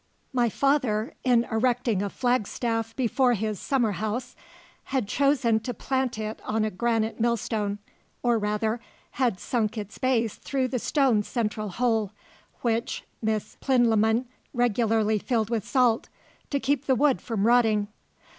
My father, in erecting a flagstaff before his summer house, had chosen to plant it on a granite millstone, or rather, had sunk its base through the stone's central hole, which Miss Plinlimmon regularly filled with salt to keep the wood from rotting.